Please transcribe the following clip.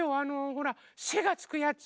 ほら「せ」がつくやつ。